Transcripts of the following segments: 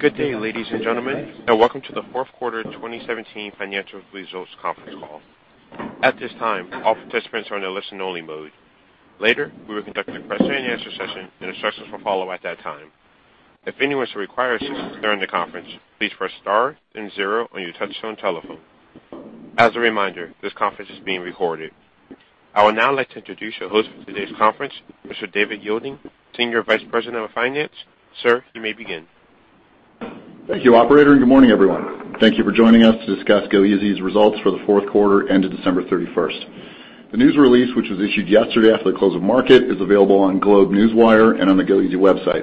Good day, ladies and gentlemen, and welcome to the fourth quarter of twenty seventeen financial results conference call. At this time, all participants are in a listen-only mode. Later, we will conduct a question-and-answer session, and instructions will follow at that time. If anyone should require assistance during the conference, please press star then zero on your touchtone telephone. As a reminder, this conference is being recorded. I would now like to introduce your host for today's conference, Mr. David Yielding, Senior Vice President of Finance. Sir, you may begin. Thank you, operator, and good morning, everyone. Thank you for joining us to discuss goeasy's results for the fourth quarter ended December thirty-first. The news release, which was issued yesterday after the close of market, is available on GlobeNewswire and on the goeasy website.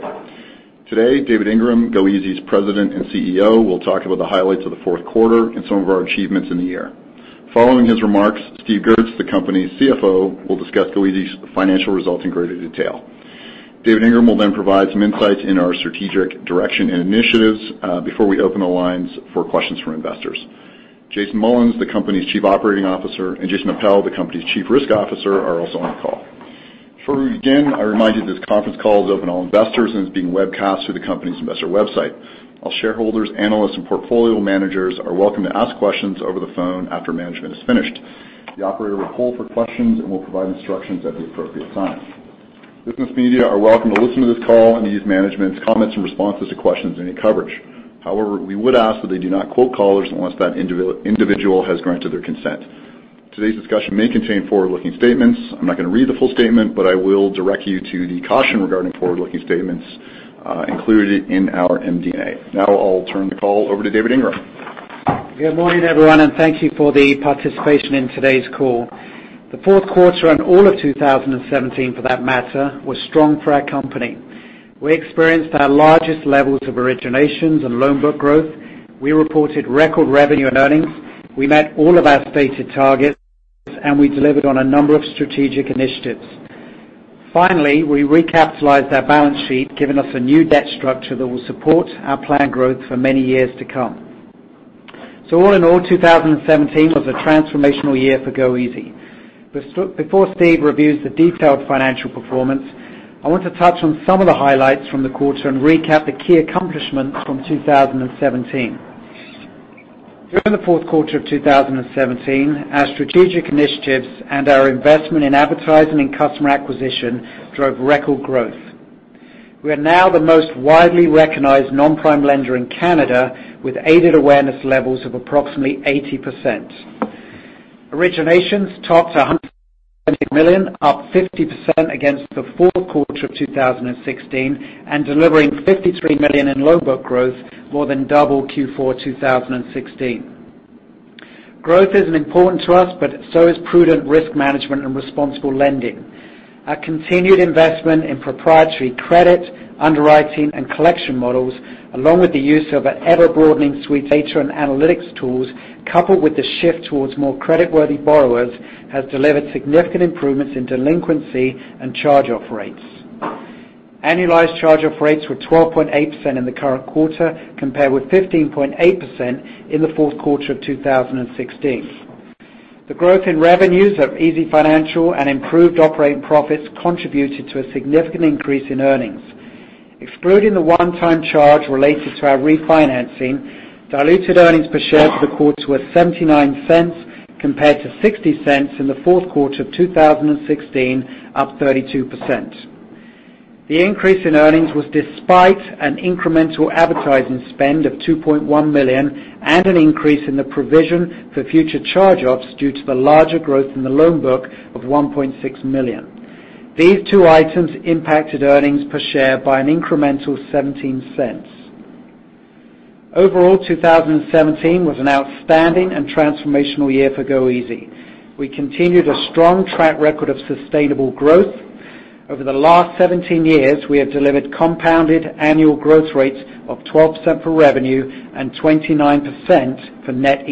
Today, David Ingram, goeasy's President and CEO, will talk about the highlights of the fourth quarter and some of our achievements in the year. Following his remarks, Steve Goertz, the company's CFO, will discuss goeasy's financial results in greater detail. David Ingram will then provide some insights into our strategic direction and initiatives before we open the lines for questions from investors. Jason Mullins, the company's Chief Operating Officer, and Jason Appel, the company's Chief Risk Officer, are also on the call. Before we begin, I remind you this conference call is open to all investors and is being webcast through the company's investor website. All shareholders, analysts, and portfolio managers are welcome to ask questions over the phone after management is finished. The operator will poll for questions and will provide instructions at the appropriate time. Business media are welcome to listen to this call and use management's comments and responses to questions in any coverage. However, we would ask that they do not quote callers unless that individual has granted their consent. Today's discussion may contain forward-looking statements. I'm not going to read the full statement, but I will direct you to the caution regarding forward-looking statements included in our ND&A. Now, I'll turn the call over to David Ingram. Good morning, everyone, and thank you for the participation in today's call. The fourth quarter and all of two thousand and seventeen, for that matter, was strong for our company. We experienced our largest levels of originations and loan book growth. We reported record revenue and earnings. We met all of our stated targets, and we delivered on a number of strategic initiatives. Finally, we recapitalized our balance sheet, giving us a new debt structure that will support our planned growth for many years to come. So all in all, two thousand and seventeen was a transformational year for goeasy. But before Steve reviews the detailed financial performance, I want to touch on some of the highlights from the quarter and recap the key accomplishments from two thousand and seventeen. During the fourth quarter of two thousand and seventeen, our strategic initiatives and our investment in advertising and customer acquisition drove record growth. We are now the most widely recognized non-prime lender in Canada, with aided awareness levels of approximately 80%. Originations topped 100 million, up 50% against the fourth quarter of two thousand and sixteen, and delivering 53 million in loan book growth, more than double Q4 2016. Growth is important to us, but so is prudent risk management and responsible lending. Our continued investment in proprietary credit, underwriting, and collection models, along with the use of an ever-broadening suite of data and analytics tools, coupled with the shift towards more creditworthy borrowers, has delivered significant improvements in delinquency and charge-off rates. Annualized charge-off rates were 12.8% in the current quarter, compared with 15.8% in the fourth quarter of 2016. The growth in revenues of easyfinancial and improved operating profits contributed to a significant increase in earnings. Excluding the one-time charge related to our refinancing, diluted earnings per share for the quarter were 0.79, compared to 0.60 in the fourth quarter of 2016, up 32%. The increase in earnings was despite an incremental advertising spend of 2.1 million and an increase in the provision for future charge-offs due to the larger growth in the loan book of 1.6 million. These two items impacted earnings per share by an incremental 0.17. Overall, 2017 was an outstanding and transformational year for goeasy. We continued a strong track record of sustainable growth. Over the last 17 years, we have delivered compounded annual growth rates of 12% for revenue and 29% for net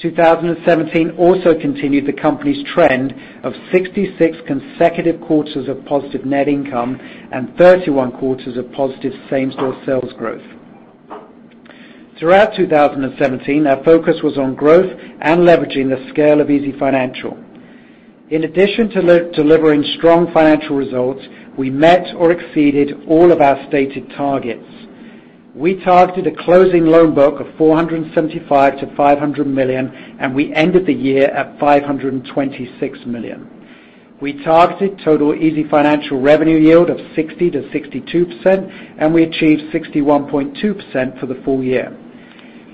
income. Two thousand and seventeen also continued the company's trend of 66 consecutive quarters of positive net income and 31 quarters of positive same-store sales growth. Throughout two thousand and seventeen, our focus was on growth and leveraging the scale of easyfinancial. In addition to delivering strong financial results, we met or exceeded all of our stated targets. We targeted a closing loan book of 475 million-500 million, and we ended the year at 526 million. We targeted total easyfinancial revenue yield of 60%-62%, and we achieved 61.2% for the full year.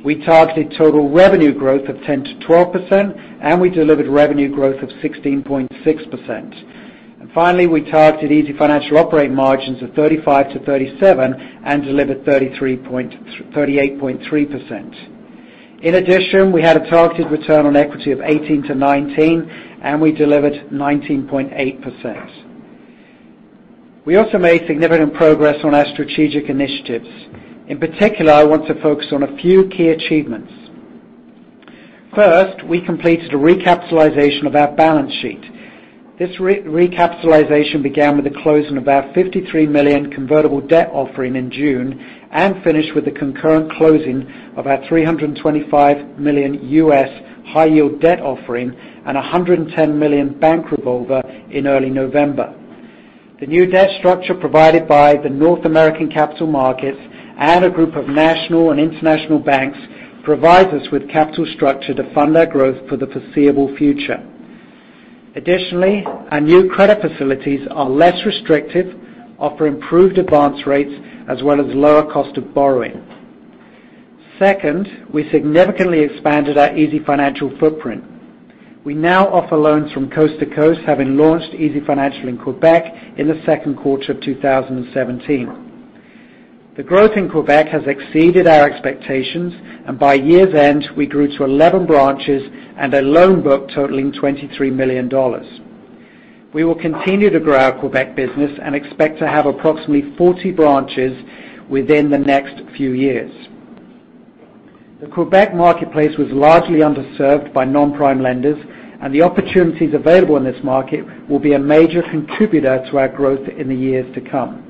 We targeted total revenue growth of 10-12%, and we delivered revenue growth of 16.6%. Finally, we targeted easyfinancial operating margins of 35-37% and delivered 38.3%. In addition, we had a targeted return on equity of 18-19%, and we delivered 19.8%. We also made significant progress on our strategic initiatives. In particular, I want to focus on a few key achievements. First, we completed a recapitalization of our balance sheet. This recapitalization began with the closing of our 53 million convertible debt offering in June and finished with the concurrent closing of our $325 million U.S. high-yield debt offering and 110 million bank revolver in early November. The new debt structure provided by the North American capital markets and a group of national and international banks provides us with capital structure to fund our growth for the foreseeable future. Additionally, our new credit facilities are less restrictive, offer improved advance rates, as well as lower cost of borrowing. Second, we significantly expanded our easyfinancial footprint. We now offer loans from coast to coast, having launched easyfinancial in Quebec in the second quarter of two thousand and seventeen. The growth in Quebec has exceeded our expectations, and by year's end, we grew to 11 branches and a loan book totaling 23 million dollars. We will continue to grow our Quebec business and expect to have approximately 40 branches within the next few years. The Quebec marketplace was largely underserved by non-prime lenders, and the opportunities available in this market will be a major contributor to our growth in the years to come.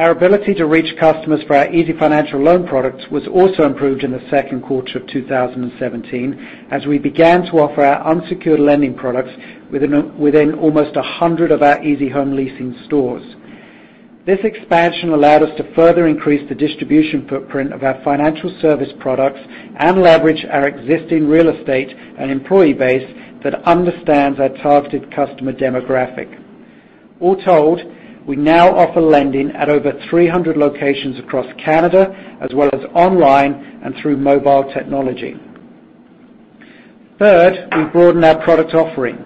Our ability to reach customers for our easyfinancial loan products was also improved in the second quarter of two thousand and seventeen, as we began to offer our unsecured lending products within almost 100 of our easyhome leasing stores. This expansion allowed us to further increase the distribution footprint of our financial service products and leverage our existing real estate and employee base that understands our targeted customer demographic. All told, we now offer lending at over 300 locations across Canada, as well as online and through mobile technology. Third, we've broadened our product offering.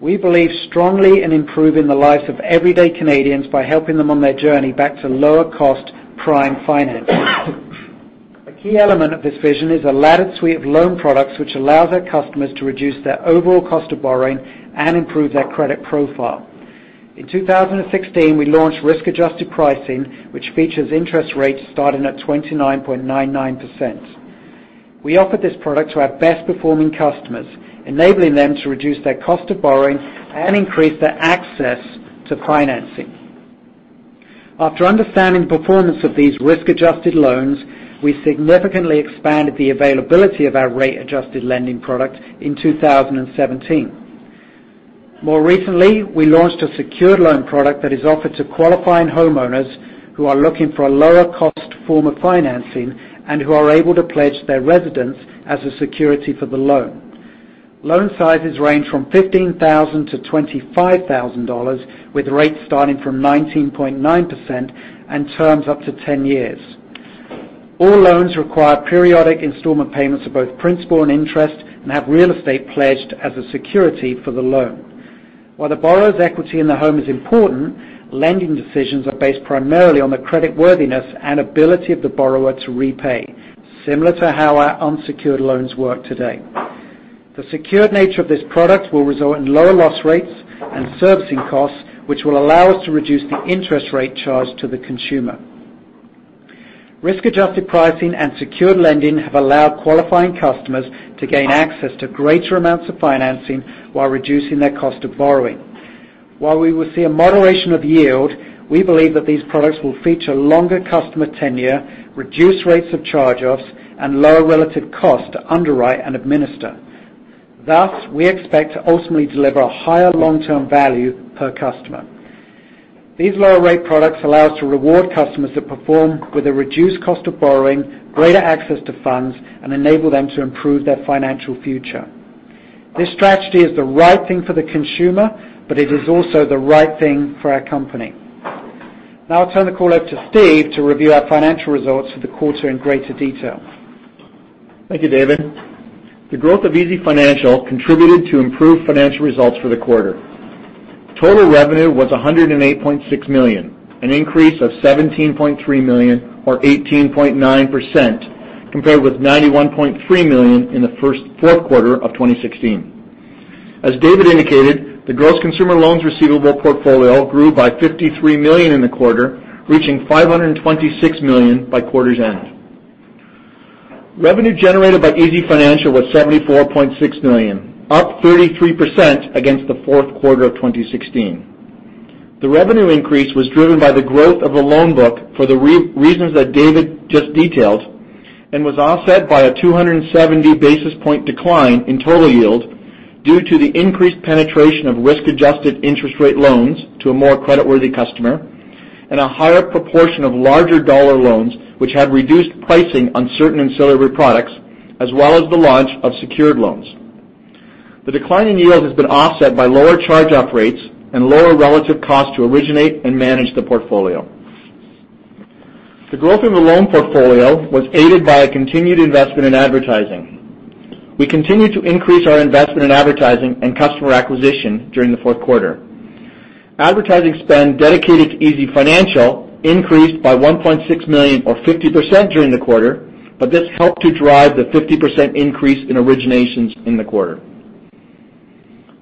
We believe strongly in improving the lives of everyday Canadians by helping them on their journey back to lower-cost, prime financing. A key element of this vision is a laddered suite of loan products, which allows our customers to reduce their overall cost of borrowing and improve their credit profile. In two thousand and sixteen, we launched risk-adjusted pricing, which features interest rates starting at 29.99%. We offered this product to our best-performing customers, enabling them to reduce their cost of borrowing and increase their access to financing. After understanding the performance of these risk-adjusted loans, we significantly expanded the availability of our risk-adjusted lending product in two thousand and seventeen. More recently, we launched a secured loan product that is offered to qualifying homeowners who are looking for a lower-cost form of financing and who are able to pledge their residence as a security for the loan. Loan sizes range from 15,000 to 25,000 dollars, with rates starting from 19.9% and terms up to 10 years. All loans require periodic installment payments of both principal and interest and have real estate pledged as a security for the loan. While the borrower's equity in the home is important, lending decisions are based primarily on the creditworthiness and ability of the borrower to repay, similar to how our unsecured loans work today. The secured nature of this product will result in lower loss rates and servicing costs, which will allow us to reduce the interest rate charged to the consumer. Risk-adjusted pricing and secured lending have allowed qualifying customers to gain access to greater amounts of financing while reducing their cost of borrowing. While we will see a moderation of yield, we believe that these products will feature longer customer tenure, reduced rates of charge-offs, and lower relative cost to underwrite and administer. Thus, we expect to ultimately deliver a higher long-term value per customer. These lower-rate products allow us to reward customers that perform with a reduced cost of borrowing, greater access to funds, and enable them to improve their financial future. This strategy is the right thing for the consumer, but it is also the right thing for our company. Now I'll turn the call over to Steve to review our financial results for the quarter in greater detail. Thank you, David. The growth of easyfinancial contributed to improved financial results for the quarter. Total revenue was 108.6 million, an increase of 17.3 million, or 18.9%, compared with 91.3 million in the fourth quarter of 2016. As David indicated, the gross consumer loans receivable portfolio grew by 53 million in the quarter, reaching 526 million by quarter's end. Revenue generated by easyfinancial was 74.6 million, up 33% against the fourth quarter of 2016. The revenue increase was driven by the growth of the loan book for the reasons that David just detailed, and was offset by a 270 basis point decline in total yield due to the increased penetration of risk-adjusted interest rate loans to a more creditworthy customer and a higher proportion of larger dollar loans, which had reduced pricing on certain ancillary products, as well as the launch of secured loans. The decline in yield has been offset by lower charge-off rates and lower relative cost to originate and manage the portfolio. The growth of the loan portfolio was aided by a continued investment in advertising. We continued to increase our investment in advertising and customer acquisition during the fourth quarter. Advertising spend dedicated to easyfinancial increased by 1.6 million, or 50%, during the quarter, but this helped to drive the 50% increase in originations in the quarter.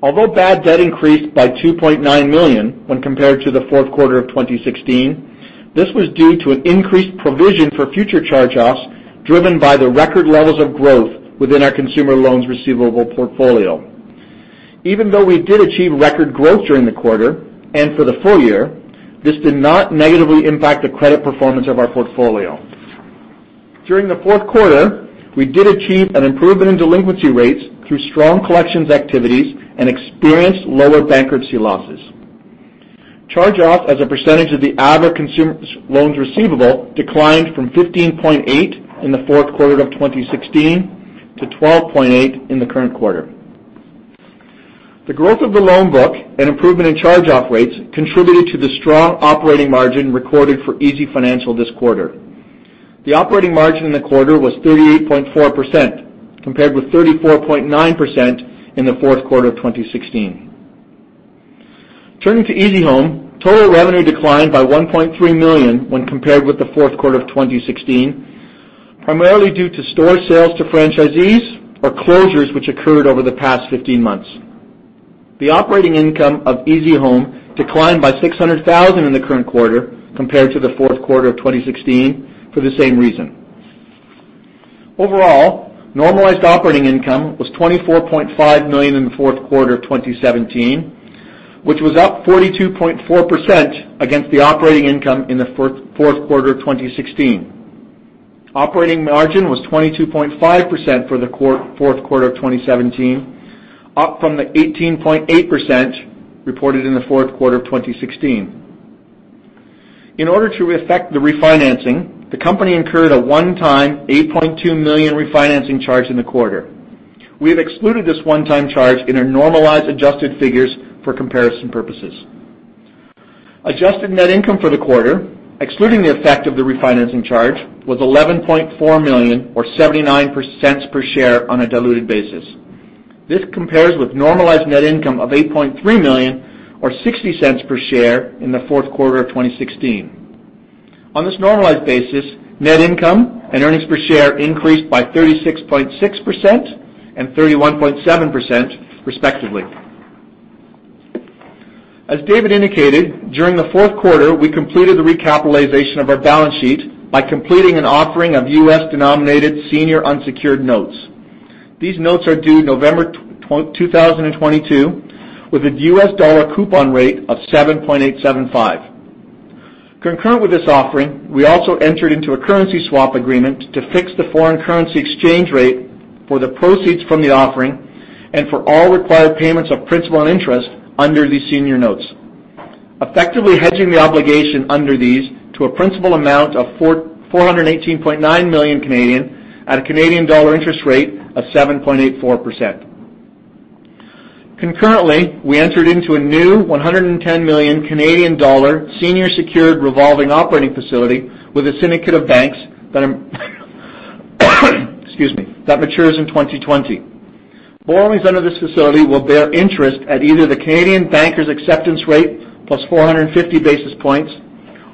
Although bad debt increased by 2.9 million when compared to the fourth quarter of 2016, this was due to an increased provision for future charge-offs, driven by the record levels of growth within our consumer loans receivable portfolio. Even though we did achieve record growth during the quarter, and for the full year, this did not negatively impact the credit performance of our portfolio. During the fourth quarter, we did achieve an improvement in delinquency rates through strong collections activities and experienced lower bankruptcy losses. Charge-off as a percentage of the average consumer loans receivable declined from 15.8% in the fourth quarter of 2016 to 12.8% in the current quarter. The growth of the loan book and improvement in charge-off rates contributed to the strong operating margin recorded for easyfinancial this quarter. The operating margin in the quarter was 38.4%, compared with 34.9% in the fourth quarter of 2016. Turning to easyhome, total revenue declined by 1.3 million when compared with the fourth quarter of 2016, primarily due to store sales to franchisees or closures which occurred over the past 15 months. The operating income of easyhome declined by 600,000 in the current quarter compared to the fourth quarter of 2016 for the same reason. Overall, normalized operating income was 24.5 million in the fourth quarter of 2017, which was up 42.4% against the operating income in the fourth quarter of 2016. Operating margin was 22.5% for the fourth quarter of 2017, up from the 18.8% reported in the fourth quarter of 2016. In order to effect the refinancing, the company incurred a one-time 8.2 million refinancing charge in the quarter. We have excluded this one-time charge in our normalized adjusted figures for comparison purposes. Adjusted net income for the quarter, excluding the effect of the refinancing charge, was 11.4 million, or 0.79 per share on a diluted basis. This compares with normalized net income of 8.3 million, or 0.60 per share in the fourth quarter of 2016. On this normalized basis, net income and earnings per share increased by 36.6% and 31.7%, respectively. As David indicated, during the fourth quarter, we completed the recapitalization of our balance sheet by completing an offering of US-denominated senior unsecured notes. These notes are due November 2022, with a US dollar coupon rate of 7.875%. Concurrent with this offering, we also entered into a currency swap agreement to fix the foreign currency exchange rate for the proceeds from the offering and for all required payments of principal and interest under these senior notes, effectively hedging the obligation under these to a principal amount of 418.9 million Canadian at a Canadian dollar interest rate of 7.84%. Concurrently, we entered into a new 110 million Canadian dollar senior secured revolving operating facility with a syndicate of banks that matures in 2020. Borrowings under this facility will bear interest at either the Canadian banker's acceptance rate plus four hundred and fifty basis points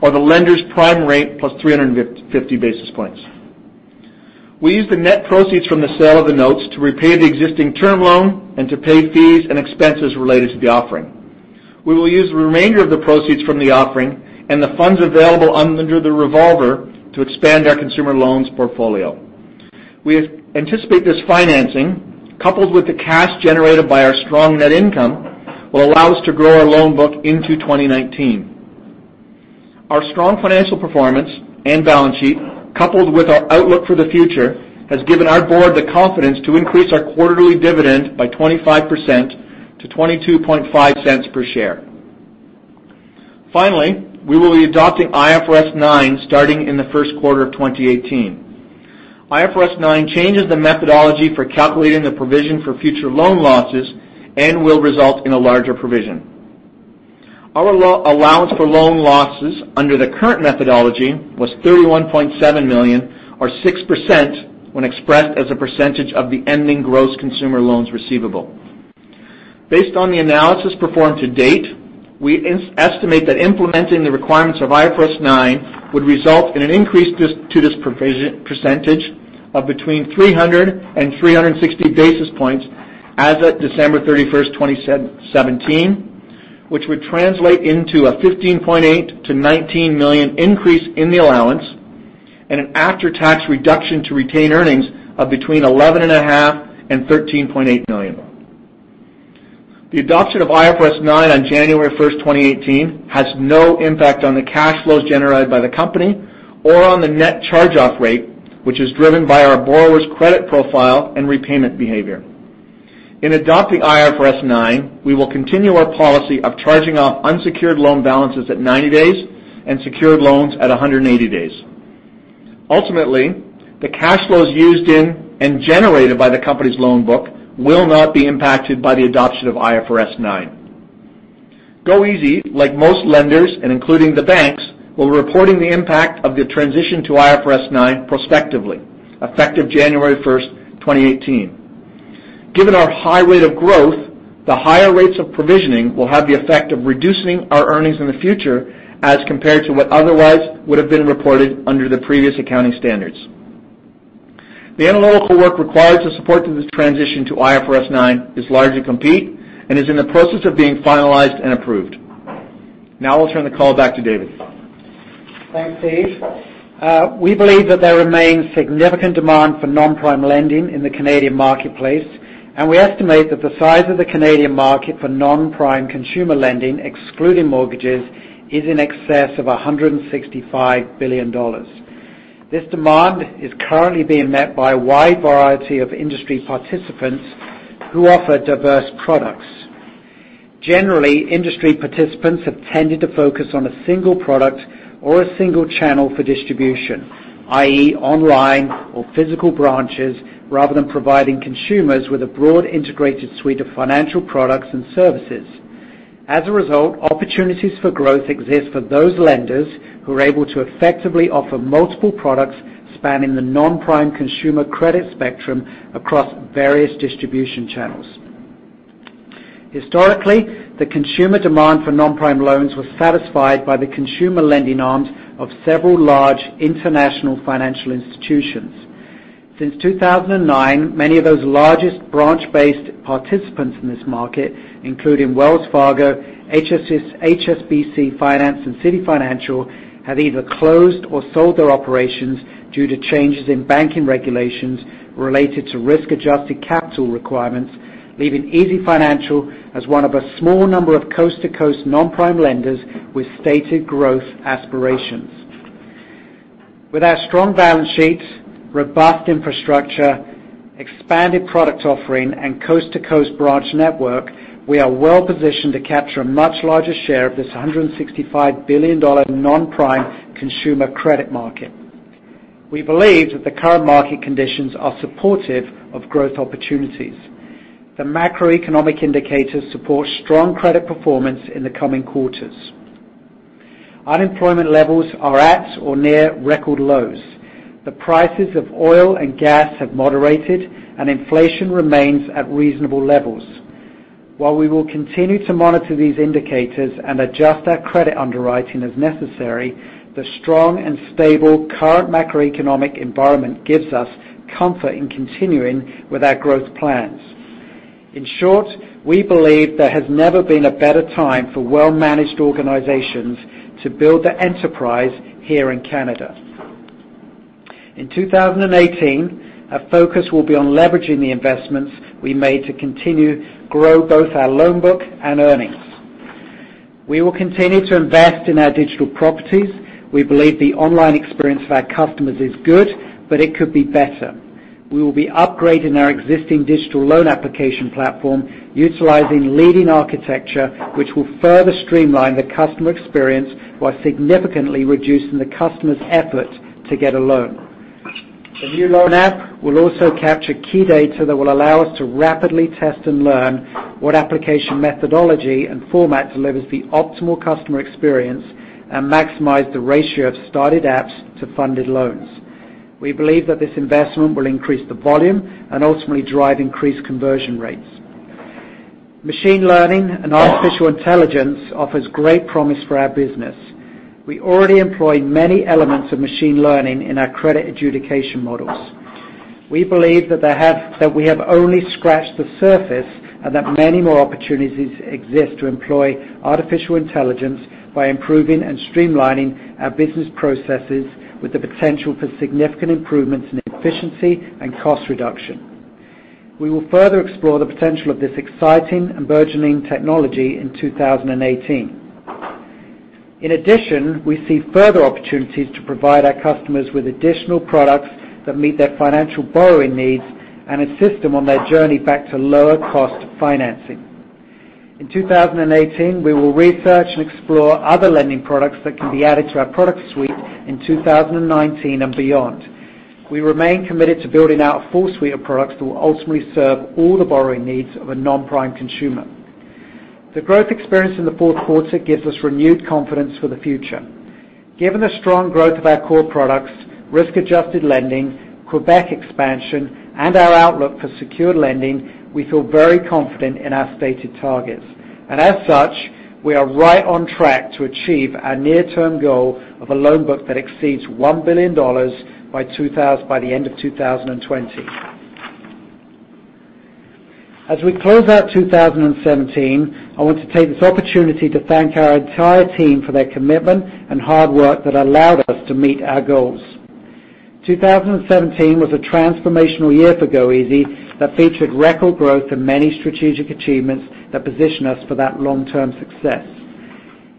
or the lender's prime rate plus three hundred and fifty basis points. We used the net proceeds from the sale of the notes to repay the existing term loan and to pay fees and expenses related to the offering. We will use the remainder of the proceeds from the offering and the funds available under the revolver to expand our consumer loans portfolio. We anticipate this financing, coupled with the cash generated by our strong net income, will allow us to grow our loan book into 2019. Our strong financial performance and balance sheet, coupled with our outlook for the future, has given our board the confidence to increase our quarterly dividend by 25% to 0.225 per share. Finally, we will be adopting IFRS 9 starting in the first quarter of 2018. IFRS 9 changes the methodology for calculating the provision for future loan losses and will result in a larger provision. Our allowance for loan losses under the current methodology was 31.7 million, or 6%, when expressed as a percentage of the ending gross consumer loans receivable. Based on the analysis performed to date, we estimate that implementing the requirements of IFRS 9 would result in an increase to this provision percentage of between 300 and 360 basis points as of December thirty-first, 2017, which would translate into a 15.8 million-19 million increase in the allowance and an after-tax reduction to retained earnings of between 11.5 million and 13.8 million. The adoption of IFRS 9 on January first, 2018, has no impact on the cash flows generated by the company or on the net charge-off rate, which is driven by our borrowers' credit profile and repayment behavior. In adopting IFRS 9, we will continue our policy of charging off unsecured loan balances at ninety days and secured loans at a hundred and eighty days. Ultimately, the cash flows used in and generated by the company's loan book will not be impacted by the adoption of IFRS 9. goeasy, like most lenders and including the banks, will be reporting the impact of the transition to IFRS 9 prospectively, effective January first, 2018. Given our high rate of growth, the higher rates of provisioning will have the effect of reducing our earnings in the future as compared to what otherwise would have been reported under the previous accounting standards. The analytical work required to support this transition to IFRS 9 is largely complete and is in the process of being finalized and approved. Now I'll turn the call back to David. Thanks, Dave. We believe that there remains significant demand for non-prime lending in the Canadian marketplace. We estimate that the size of the Canadian market for non-prime consumer lending, excluding mortgages, is in excess of 165 billion dollars. This demand is currently being met by a wide variety of industry participants who offer diverse products. Generally, industry participants have tended to focus on a single product or a single channel for distribution, i.e., online or physical branches, rather than providing consumers with a broad, integrated suite of financial products and services. As a result, opportunities for growth exist for those lenders who are able to effectively offer multiple products spanning the non-prime consumer credit spectrum across various distribution channels. Historically, the consumer demand for non-prime loans was satisfied by the consumer lending arms of several large international financial institutions. Since 2009, many of those largest branch-based participants in this market, including Wells Fargo, HSBC Finance, and CitiFinancial, have either closed or sold their operations due to changes in banking regulations related to risk-adjusted capital requirements, leaving easyfinancial as one of a small number of coast-to-coast non-prime lenders with stated growth aspirations. With our strong balance sheet, robust infrastructure, expanded product offering, and coast-to-coast branch network, we are well-positioned to capture a much larger share of this 165 billion dollar non-prime consumer credit market. We believe that the current market conditions are supportive of growth opportunities. The macroeconomic indicators support strong credit performance in the coming quarters. Unemployment levels are at or near record lows. The prices of oil and gas have moderated, and inflation remains at reasonable levels. While we will continue to monitor these indicators and adjust our credit underwriting as necessary, the strong and stable current macroeconomic environment gives us comfort in continuing with our growth plans. In short, we believe there has never been a better time for well-managed organizations to build their enterprise here in Canada. In 2018, our focus will be on leveraging the investments we made to continue grow both our loan book and earnings. We will continue to invest in our digital properties. We believe the online experience of our customers is good, but it could be better. We will be upgrading our existing digital loan application platform, utilizing leading architecture, which will further streamline the customer experience while significantly reducing the customer's effort to get a loan. The new loan app will also capture key data that will allow us to rapidly test and learn what application methodology and format delivers the optimal customer experience and maximize the ratio of started apps to funded loans. We believe that this investment will increase the volume and ultimately drive increased conversion rates. Machine learning and artificial intelligence offers great promise for our business. We already employ many elements of machine learning in our credit adjudication models. We believe that we have only scratched the surface, and that many more opportunities exist to employ artificial intelligence by improving and streamlining our business processes with the potential for significant improvements in efficiency and cost reduction. We will further explore the potential of this exciting and burgeoning technology in two thousand and eighteen. In addition, we see further opportunities to provide our customers with additional products that meet their financial borrowing needs and assist them on their journey back to lower-cost financing. In two thousand and eighteen, we will research and explore other lending products that can be added to our product suite in two thousand and nineteen and beyond. We remain committed to building out a full suite of products that will ultimately serve all the borrowing needs of a non-prime consumer. The growth experience in the fourth quarter gives us renewed confidence for the future. Given the strong growth of our core products, risk-adjusted lending, Quebec expansion, and our outlook for secured lending, we feel very confident in our stated targets. We are right on track to achieve our near-term goal of a loan book that exceeds 1 billion dollars by the end of two thousand and twenty. As we close out two thousand and seventeen, I want to take this opportunity to thank our entire team for their commitment and hard work that allowed us to meet our goals. Two thousand and seventeen was a transformational year for goeasy that featured record growth and many strategic achievements that position us for that long-term success.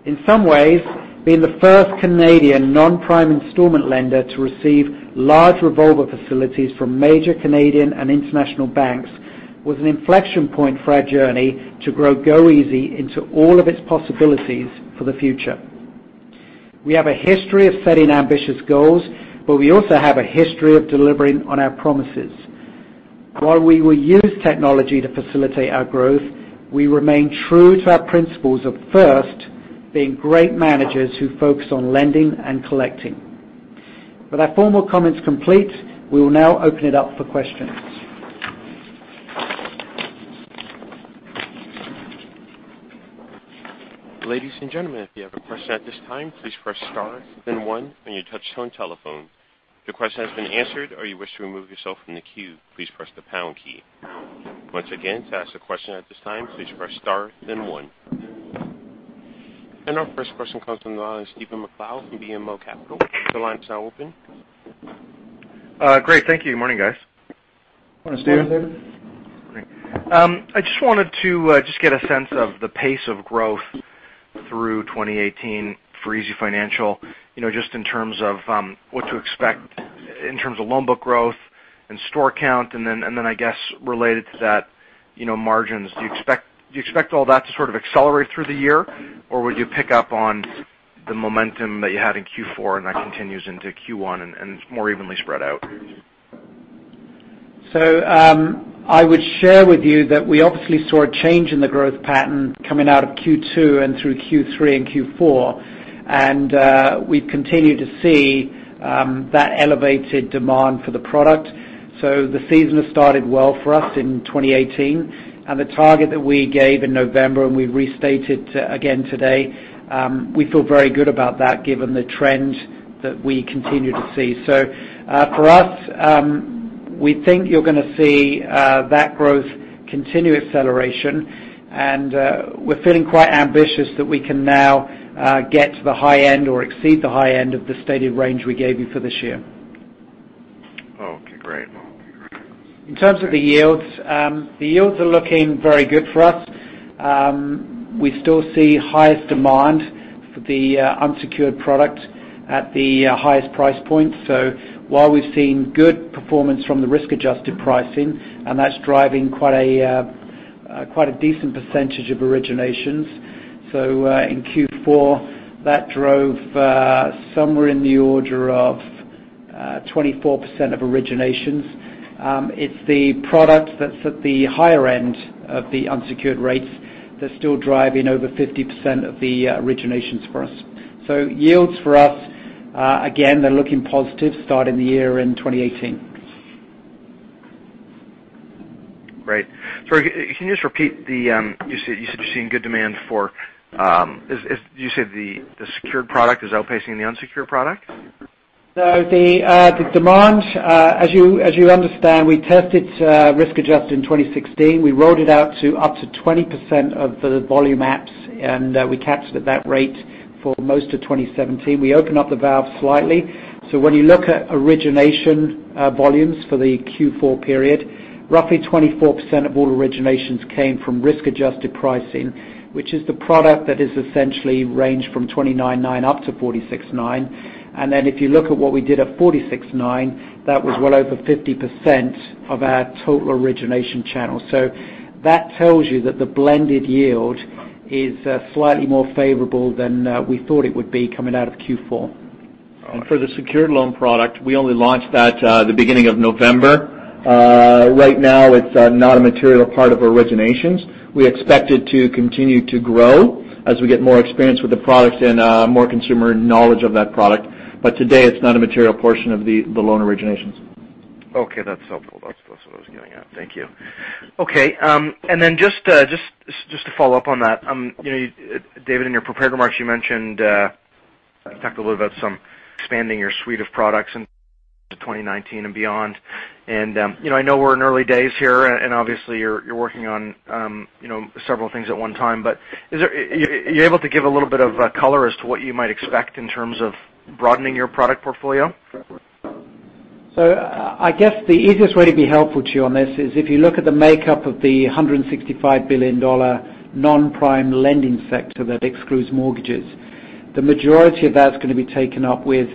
In some ways, being the first Canadian non-prime installment lender to receive large revolver facilities from major Canadian and international banks was an inflection point for our journey to grow goeasy into all of its possibilities for the future. We have a history of setting ambitious goals, but we also have a history of delivering on our promises. While we will use technology to facilitate our growth, we remain true to our principles of first, being great managers who focus on lending and collecting. With our formal comments complete, we will now open it up for questions. Ladies and gentlemen, if you have a question at this time, please press star then one on your touchtone telephone. If your question has been answered or you wish to remove yourself from the queue, please press the pound key. Once again, to ask a question at this time, please press star then one.... and our first question comes from the line, Stephen MacLeod from BMO Capital Markets. The line is now open. Great, thank you. Good morning, guys. Good morning, Stephen. Great. I just wanted to just get a sense of the pace of growth through twenty eighteen for easyfinancial, you know, just in terms of what to expect in terms of loan book growth and store count, and then I guess related to that, you know, margins. Do you expect all that to sort of accelerate through the year? Or would you pick up on the momentum that you had in Q4, and that continues into Q1 and it's more evenly spread out? So, I would share with you that we obviously saw a change in the growth pattern coming out of Q2 and through Q3 and Q4, and we've continued to see that elevated demand for the product. So the season has started well for us in 2018, and the target that we gave in November, and we restated again today, we feel very good about that given the trend that we continue to see. So, for us, we think you're gonna see that growth continue acceleration, and we're feeling quite ambitious that we can now get to the high end or exceed the high end of the stated range we gave you for this year. Okay, great. In terms of the yields, the yields are looking very good for us. We still see highest demand for the unsecured product at the highest price point. So while we've seen good performance from the risk-adjusted pricing, and that's driving quite a decent percentage of originations. So, in Q4, that drove somewhere in the order of 24% of originations. It's the product that's at the higher end of the unsecured rates that's still driving over 50% of the originations for us. So yields for us, again, they're looking positive, starting the year in 2018. Great. So can you just repeat the, you said you're seeing good demand for... Is, did you say the secured product is outpacing the unsecured product? So the demand, as you understand, we tested risk-adjusted in twenty sixteen. We rolled it out to up to 20% of the volume apps, and we captured at that rate for most of twenty seventeen. We opened up the valve slightly. So when you look at origination volumes for the Q4 period, roughly 24% of all originations came from risk-adjusted pricing, which is the product that is essentially ranged from 29.99% to 46.9%. And then if you look at what we did at 46.9%, that was well over 50% of our total origination channel. So that tells you that the blended yield is slightly more favorable than we thought it would be coming out of Q4. For the secured loan product, we only launched that the beginning of November. Right now, it's not a material part of originations. We expect it to continue to grow as we get more experience with the products and more consumer knowledge of that product. But today, it's not a material portion of the loan originations. Okay, that's helpful. That's what I was getting at. Thank you. Okay, and then just to follow up on that, you know, David, in your prepared remarks, you mentioned you talked a little about some expanding your suite of products into 2019 and beyond. And, you know, I know we're in early days here, and obviously, you're working on, you know, several things at one time. But is there... Are you able to give a little bit of color as to what you might expect in terms of broadening your product portfolio? So I guess the easiest way to be helpful to you on this is if you look at the makeup of the 165 billion dollar non-prime lending sector that excludes mortgages. The majority of that is gonna be taken up with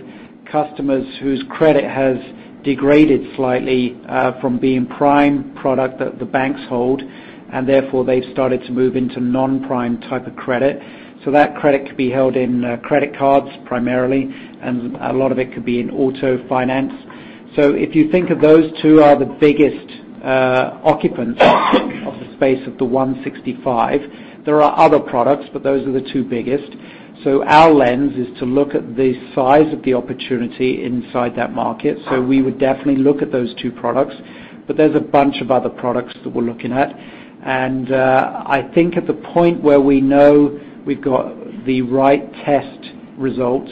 customers whose credit has degraded slightly from being prime product that the banks hold, and therefore they've started to move into non-prime type of credit. So that credit could be held in credit cards, primarily, and a lot of it could be in auto finance. So if you think of those two are the biggest occupants of the space of the 165, there are other products, but those are the two biggest. So our lens is to look at the size of the opportunity inside that market, so we would definitely look at those two products, but there's a bunch of other products that we're looking at. And, I think at the point where we know we've got the right test results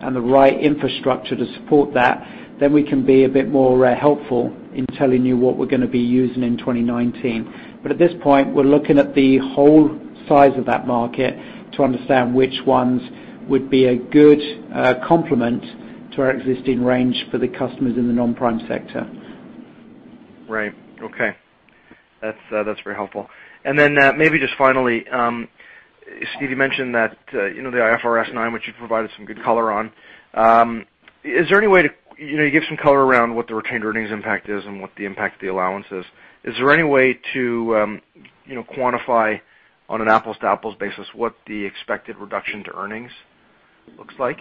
and the right infrastructure to support that, then we can be a bit more helpful in telling you what we're gonna be using in 2019. But at this point, we're looking at the whole size of that market to understand which ones would be a good complement to our existing range for the customers in the non-prime sector. Right. Okay. That's very helpful. And then, maybe just finally, Steve, you mentioned that, you know, the IFRS 9, which you provided some good color on, is there any way to, you know, give some color around what the retained earnings impact is and what the impact of the allowance is? Is there any way to, you know, quantify on an apples-to-apples basis what the expected reduction to earnings looks like?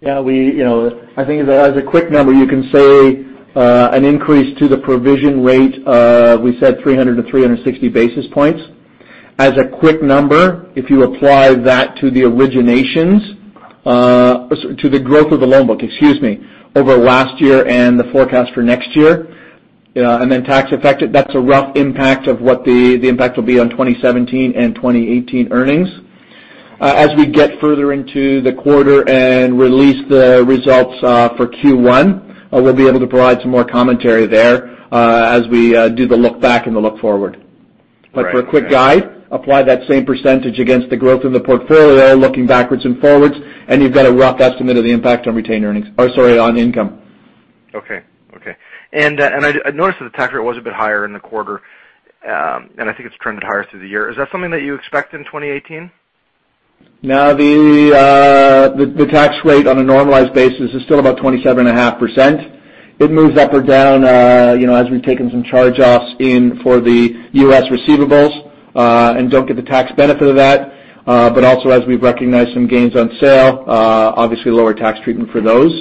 Yeah, we, you know, I think as a quick number, you can say an increase to the provision rate. We said 300-360 basis points. As a quick number, if you apply that to the originations, to the growth of the loan book, excuse me, over last year and the forecast for next year, and then tax effect, that's a rough impact of what the impact will be on 2017 and 2018 earnings. As we get further into the quarter and release the results for Q1, we'll be able to provide some more commentary there, as we do the look back and the look forward. But for a quick guide, apply that same percentage against the growth of the portfolio, looking backwards and forwards, and you've got a rough estimate of the impact on retained earnings or sorry, on income. Okay. And I noticed that the tax rate was a bit higher in the quarter, and I think it's trended higher through the year. Is that something that you expect in 2018? Now, the tax rate on a normalized basis is still about 27.5%. It moves up or down, you know, as we've taken some charge-offs in for the U.S. receivables, and don't get the tax benefit of that. But also, as we've recognized some gains on sale, obviously, lower tax treatment for those.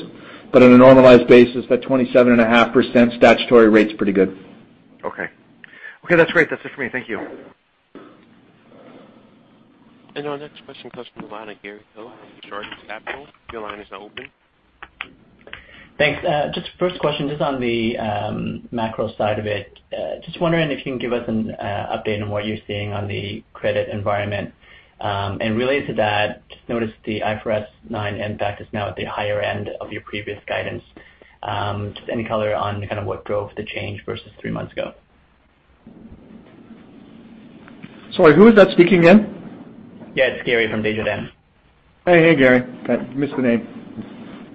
But on a normalized basis, that 27.5% statutory rate is pretty good. Okay. Okay, that's great. That's it for me. Thank you. Our next question comes from Gary Ho, Desjardins Securities. Your line is now open. Thanks. Just first question, just on the macro side of it. Just wondering if you can give us an update on what you're seeing on the credit environment, and related to that, just noticed the IFRS 9 impact is now at the higher end of your previous guidance, just any color on kind of what drove the change versus three months ago? Sorry, who is that speaking again? Yeah, it's Gary from Desjardins. Hey, hey, Gary. I missed the name.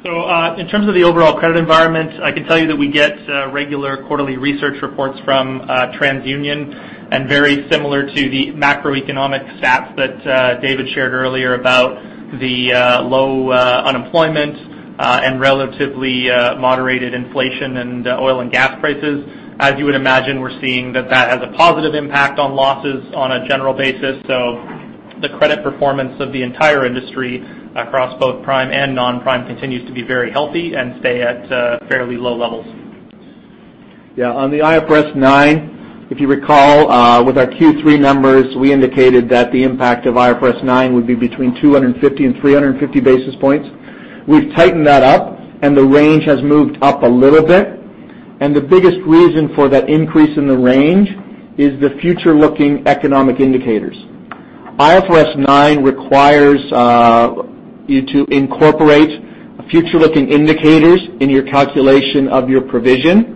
So, in terms of the overall credit environment, I can tell you that we get regular quarterly research reports from TransUnion, and very similar to the macroeconomic stats that David shared earlier about the low unemployment and relatively moderated inflation and oil and gas prices. As you would imagine, we're seeing that that has a positive impact on losses on a general basis. So the credit performance of the entire industry across both prime and non-prime continues to be very healthy and stay at fairly low levels. Yeah, on the IFRS 9, if you recall, with our Q3 numbers, we indicated that the impact of IFRS 9 would be between 250 and 350 basis points. We've tightened that up, and the range has moved up a little bit. And the biggest reason for that increase in the range is the future-looking economic indicators. IFRS 9 requires you to incorporate future-looking indicators in your calculation of your provision.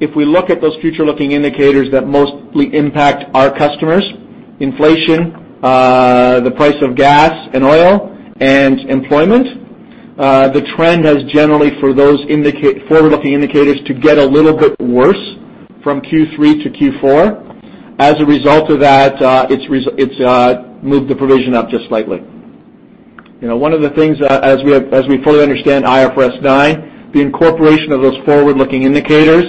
If we look at those future-looking indicators that mostly impact our customers, inflation, the price of gas and oil, and employment, the trend has generally for those forward-looking indicators to get a little bit worse from Q3 to Q4. As a result of that, it's moved the provision up just slightly. You know, one of the things, as we fully understand IFRS 9, the incorporation of those forward-looking indicators,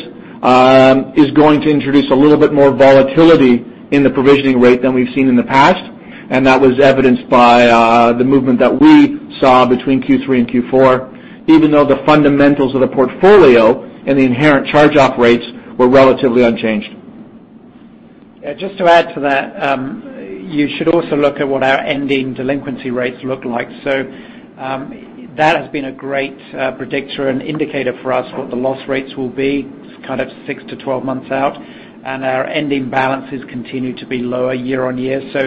is going to introduce a little bit more volatility in the provisioning rate than we've seen in the past, and that was evidenced by the movement that we saw between Q3 and Q4, even though the fundamentals of the portfolio and the inherent charge-off rates were relatively unchanged. Yeah, just to add to that, you should also look at what our ending delinquency rates look like. So, that has been a great predictor and indicator for us, what the loss rates will be, kind of six to 12 months out, and our ending balances continue to be lower year on year. So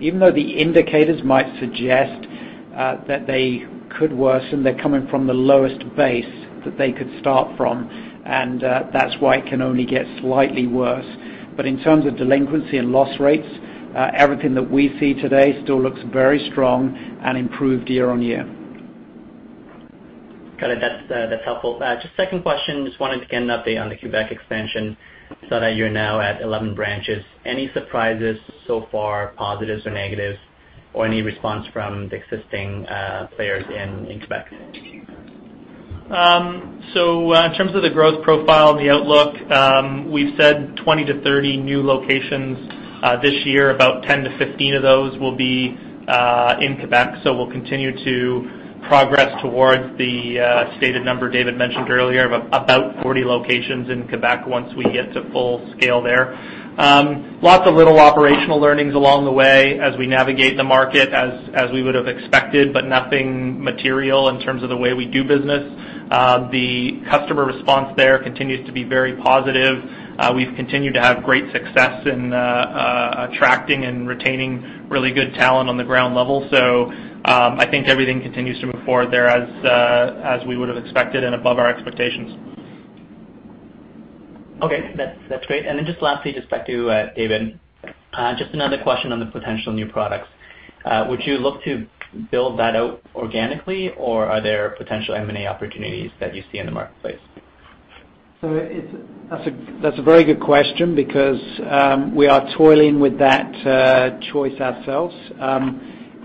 even though the indicators might suggest that they could worsen, they're coming from the lowest base that they could start from, and that's why it can only get slightly worse. But in terms of delinquency and loss rates, everything that we see today still looks very strong and improved year on year. Got it. That's helpful. Just second question. Just wanted to get an update on the Quebec expansion, so that you're now at eleven branches. Any surprises so far, positives or negatives, or any response from the existing players in Quebec? So, in terms of the growth profile and the outlook, we've said 20-30 new locations this year. About 10-15 of those will be in Quebec. So we'll continue to progress towards the stated number David mentioned earlier, of about 40 locations in Quebec once we get to full scale there. Lots of little operational learnings along the way as we navigate the market, as we would have expected, but nothing material in terms of the way we do business. The customer response there continues to be very positive. We've continued to have great success in attracting and retaining really good talent on the ground level. So, I think everything continues to move forward there as we would have expected and above our expectations. Okay. That's, that's great. And then just lastly, just back to, David. Just another question on the potential new products. Would you look to build that out organically, or are there potential M&A opportunities that you see in the marketplace? So it's a very good question because we are toiling with that choice ourselves.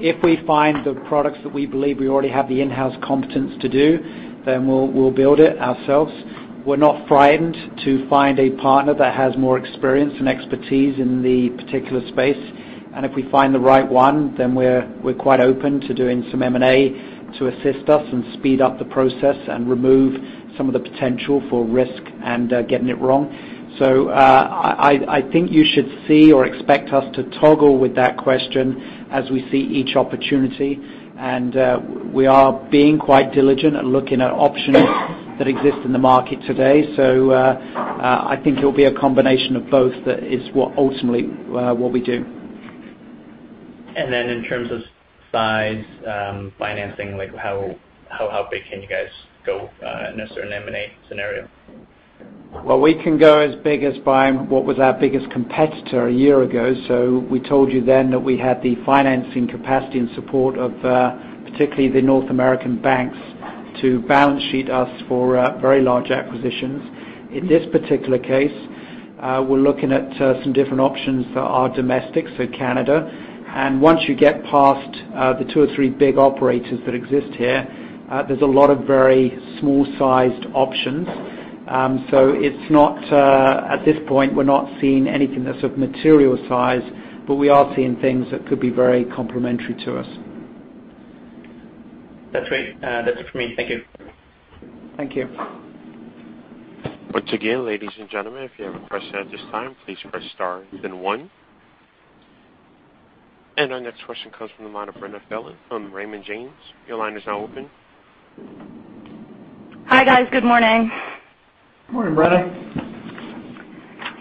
If we find the products that we believe we already have the in-house competence to do, then we'll build it ourselves. We're not frightened to find a partner that has more experience and expertise in the particular space, and if we find the right one, then we're quite open to doing some M&A to assist us and speed up the process and remove some of the potential for risk and getting it wrong, so I think you should see or expect us to toggle with that question as we see each opportunity, and we are being quite diligent at looking at options that exist in the market today, so I think it'll be a combination of both. That is what ultimately what we do. Then in terms of size, financing, like how big can you guys go in a certain M&A scenario? We can go as big as buying what was our biggest competitor a year ago, so we told you then that we had the financing capacity and support of particularly the North American banks to balance sheet us for very large acquisitions. In this particular case, we're looking at some different options that are domestic, so Canada, and once you get past the two or three big operators that exist here, there's a lot of very small-sized options, so it's not at this point, we're not seeing anything that's of material size, but we are seeing things that could be very complementary to us. That's great. That's it for me. Thank you. Thank you. Once again, ladies and gentlemen, if you have a question at this time, please press Star, then One. And our next question comes from the line of Brenna Phelan from Raymond James. Your line is now open. Hi, guys. Good morning. Morning, Brenna.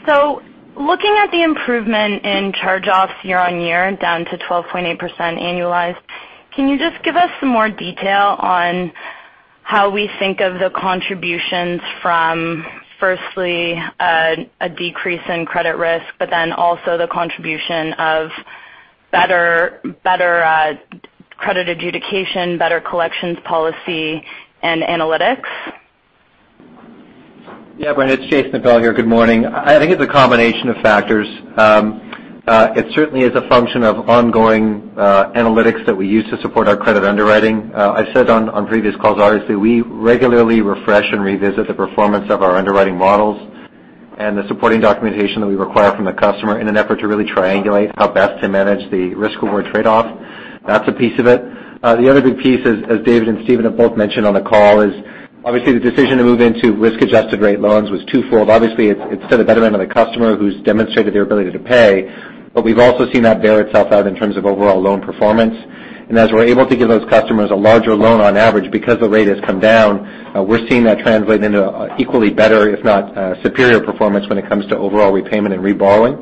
So looking at the improvement in charge-offs year-on-year, down to 12.8% annualized, can you just give us some more detail on how we think of the contributions from, firstly, a decrease in credit risk, but then also the contribution of better credit adjudication, better collections policy, and analytics? Yeah, Brenna, it's Jason Appel here. Good morning. I think it's a combination of factors. It certainly is a function of ongoing analytics that we use to support our credit underwriting. I've said on previous calls, obviously, we regularly refresh and revisit the performance of our underwriting models and the supporting documentation that we require from the customer in an effort to really triangulate how best to manage the risk-reward trade-off. That's a piece of it. The other big piece, as David and Stephen have both mentioned on the call, is obviously the decision to move into risk-adjusted rate loans was twofold. Obviously, it's done a better end on the customer who's demonstrated their ability to pay, but we've also seen that bear itself out in terms of overall loan performance. And as we're able to give those customers a larger loan on average because the rate has come down, we're seeing that translate into equally better, if not, superior performance when it comes to overall repayment and reborrowing.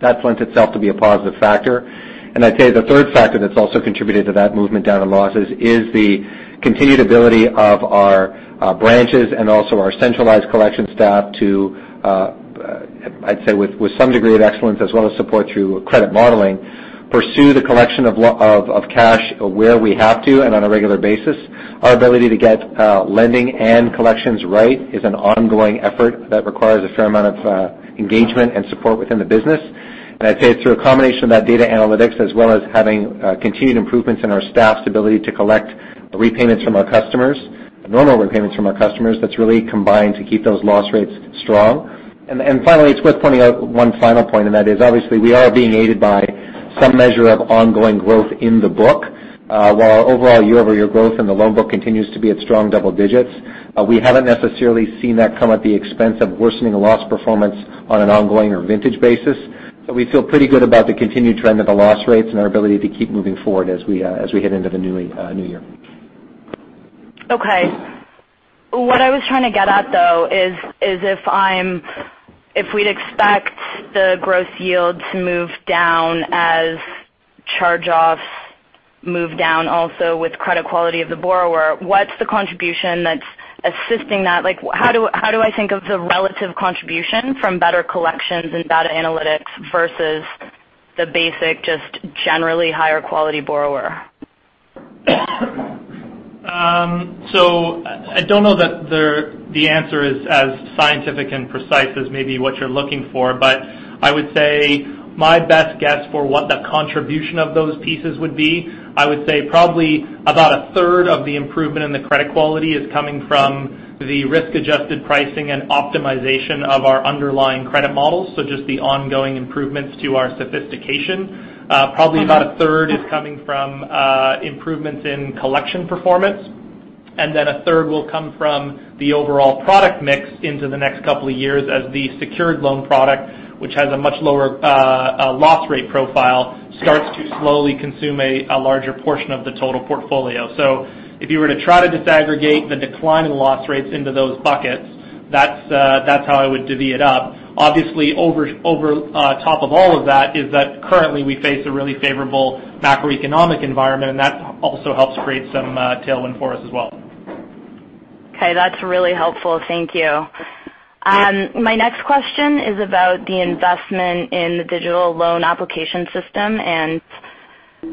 That lent itself to be a positive factor. And I'd say the third factor that's also contributed to that movement down in losses is the continued ability of our branches and also our centralized collection staff to, I'd say, with some degree of excellence, as well as support through credit modeling, pursue the collection of loans or cash where we have to, and on a regular basis. Our ability to get lending and collections right is an ongoing effort that requires a fair amount of engagement and support within the business. I'd say it's through a combination of that data analytics, as well as having continued improvements in our staff's ability to collect repayments from our customers, normal repayments from our customers. That's really combined to keep those loss rates strong. Finally, it's worth pointing out one final point, and that is, obviously, we are being aided by some measure of ongoing growth in the book. While our overall year-over-year growth in the loan book continues to be at strong double digits, we haven't necessarily seen that come at the expense of worsening loss performance on an ongoing or vintage basis. So we feel pretty good about the continued trend of the loss rates and our ability to keep moving forward as we head into the new year. Okay. What I was trying to get at, though, is if I'm- if we'd expect the growth yield to move down as charge-offs move down also with credit quality of the borrower, what's the contribution that's assisting that? Like, how do I think of the relative contribution from better collections and data analytics versus the basic, just generally higher quality borrower? So I don't know that the answer is as scientific and precise as maybe what you're looking for, but I would say my best guess for what the contribution of those pieces would be. I would say probably about a third of the improvement in the credit quality is coming from the risk-adjusted pricing and optimization of our underlying credit models, so just the ongoing improvements to our sophistication. Probably about a third is coming from improvements in collection performance, and then a third will come from the overall product mix into the next couple of years as the secured loan product, which has a much lower loss rate profile, starts to slowly consume a larger portion of the total portfolio. If you were to try to disaggregate the decline in loss rates into those buckets, that's how I would divvy it up. Obviously, over top of all of that is that currently, we face a really favorable macroeconomic environment, and that also helps create some tailwind for us as well. Okay, that's really helpful. Thank you. My next question is about the investment in the digital loan application system and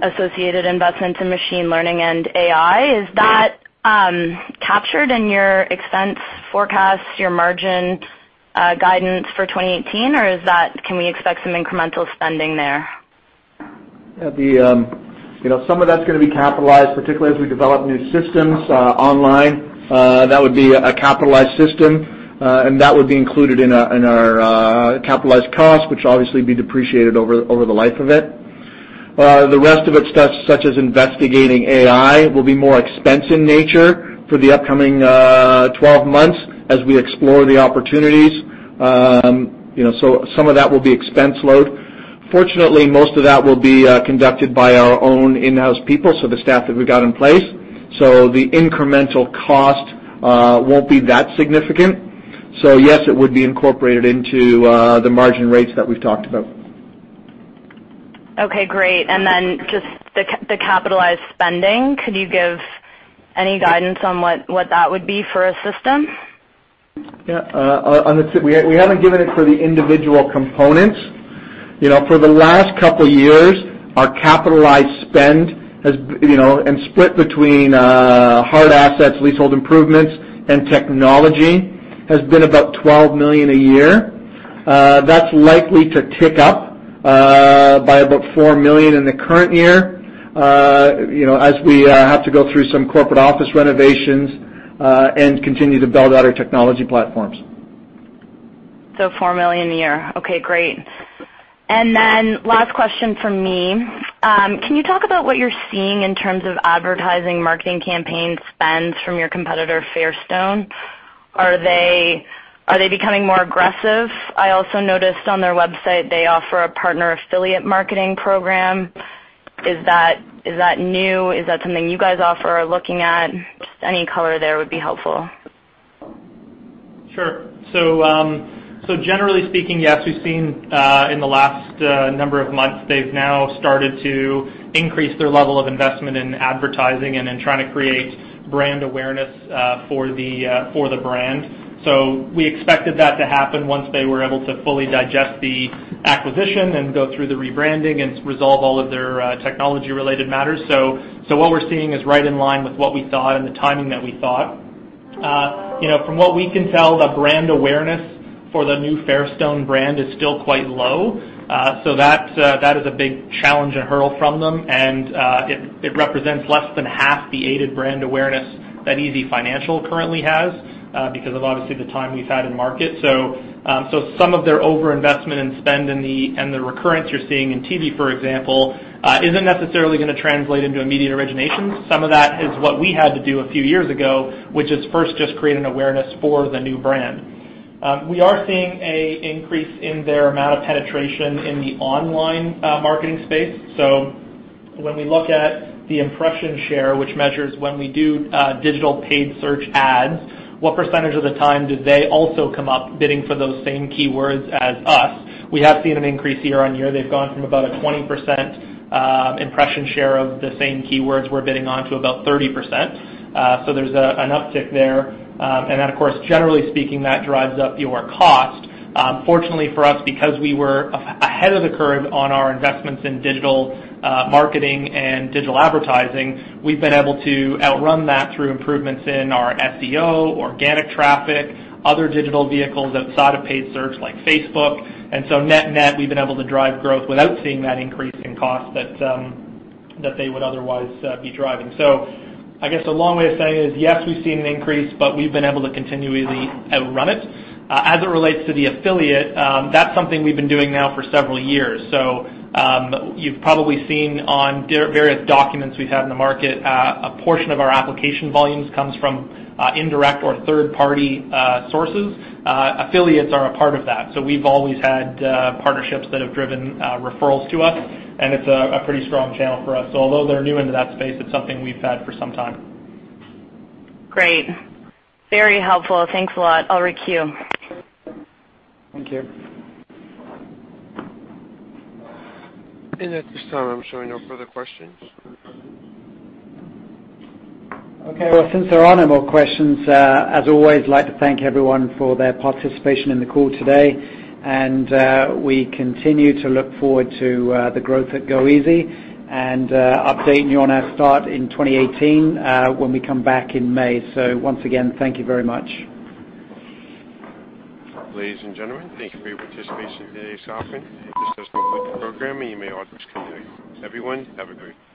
associated investments in machine learning and AI. Is that captured in your expense forecasts, your margin guidance for 2018, or is that? Can we expect some incremental spending there? Yeah, you know, some of that's gonna be capitalized, particularly as we develop new systems online. That would be a capitalized system, and that would be included in our capitalized costs, which obviously be depreciated over the life of it. The rest of it, stuff such as investigating AI, will be more expense in nature for the upcoming twelve months as we explore the opportunities. You know, so some of that will be expense load. Fortunately, most of that will be conducted by our own in-house people, so the staff that we got in place. So the incremental cost won't be that significant.... So yes, it would be incorporated into the margin rates that we've talked about. Okay, great. And then just the capitalized spending, could you give any guidance on what that would be for a system? Yeah, on the side we haven't given it for the individual components. You know, for the last couple years, our capitalized spend has, you know, and split between hard assets, leasehold improvements, and technology, has been about 12 million a year. That's likely to tick up by about 4 million in the current year, you know, as we have to go through some corporate office renovations and continue to build out our technology platforms. So four million a year. Okay, great. And then last question from me. Can you talk about what you're seeing in terms of advertising, marketing campaign spends from your competitor, Fairstone? Are they becoming more aggressive? I also noticed on their website they offer a partner affiliate marketing program. Is that new? Is that something you guys offer or are looking at? Just any color there would be helpful. Sure. So generally speaking, yes, we've seen in the last number of months they've now started to increase their level of investment in advertising and in trying to create brand awareness for the brand. So we expected that to happen once they were able to fully digest the acquisition and go through the rebranding and resolve all of their technology-related matters. So what we're seeing is right in line with what we thought and the timing that we thought. You know, from what we can tell, the brand awareness for the new Fairstone brand is still quite low. So that's that is a big challenge and hurdle for them, and it represents less than half the aided brand awareness that easyfinancial currently has because of obviously the time we've had in market. So, some of their overinvestment and spend in the... and the recurrence you're seeing in TV, for example, isn't necessarily going to translate into immediate origination. Some of that is what we had to do a few years ago, which is first just create an awareness for the new brand. We are seeing a increase in their amount of penetration in the online, marketing space. So when we look at the impression share, which measures when we do digital paid search ads, what percentage of the time do they also come up bidding for those same keywords as us? We have seen an increase year on year. They've gone from about a 20% impression share of the same keywords we're bidding on to about 30%. So there's an uptick there. And then, of course, generally speaking, that drives up your cost. Fortunately for us, because we were ahead of the curve on our investments in digital marketing and digital advertising, we've been able to outrun that through improvements in our SEO, organic traffic, other digital vehicles outside of paid search, like Facebook. And so net-net, we've been able to drive growth without seeing that increase in cost that, that they would otherwise, be driving. So I guess a long way of saying is, yes, we've seen an increase, but we've been able to continually outrun it. As it relates to the affiliate, that's something we've been doing now for several years. So, you've probably seen on various documents we've had in the market, a portion of our application volumes comes from, indirect or third-party, sources. Affiliates are a part of that. So we've always had partnerships that have driven referrals to us, and it's a pretty strong channel for us. So although they're new into that space, it's something we've had for some time. Great. Very helpful. Thanks a lot, Ulrich Q. Thank you. At this time, I'm showing no further questions. Okay. Well, since there are no more questions, as always, I'd like to thank everyone for their participation in the call today. And we continue to look forward to the growth at goeasy and updating you on our start in twenty eighteen when we come back in May. So once again, thank you very much. Ladies and gentlemen, thank you for your participation in today's offering. This does conclude the program, and you may all disconnect. Everyone, have a great day.